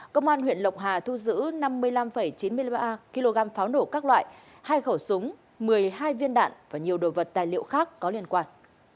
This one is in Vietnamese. công an huyện lộc hà thu giữ năm mươi năm chín mươi ba kg pháo nổ các loại hai khẩu súng một mươi hai viên đạn và nhiều đồ vật tài liệu khác có liên quan